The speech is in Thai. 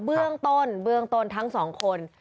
เบื้องต้นทั้งสองคน